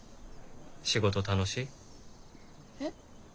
仕事楽しい？えっ？